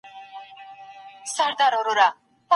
علمي فکر لارښوونه کوي.